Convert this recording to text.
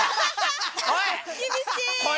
おい！